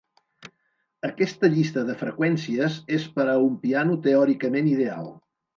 Aquesta llista de freqüències és per a un piano teòricament ideal.